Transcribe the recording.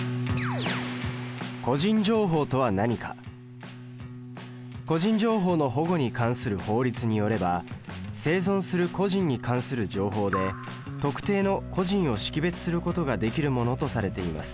「個人情報の保護に関する法律」によれば生存する個人に関する情報で特定の個人を識別することができるものとされています。